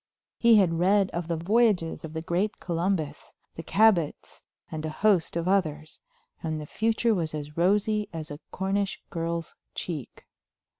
He had read of the voyages of the great Columbus, the Cabots, and a host of others, and the future was as rosy as a Cornish girl's cheek.